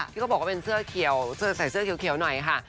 ที่เขาบอกว่าเป็นเสื้อเขียวใส่เสื้อเขียวหน่อยค่ะ